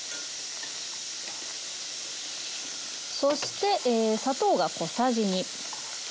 そして砂糖が小さじ２。